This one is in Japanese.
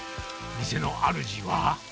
店のあるじは。